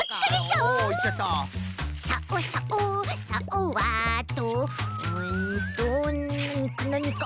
うんとなにか。